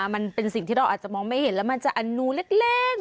มันเป็นสิ่งที่เราอาจจะมองไม่เห็นแล้วมันจะอนูเล็ก